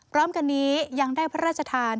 พร้อมกันนี้ยังได้พระราชทาน